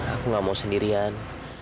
aku gak mau sendirian